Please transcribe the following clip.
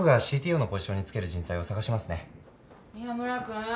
宮村君？